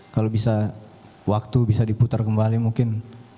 kalau bisa waktu bisa diputar kembali mungkin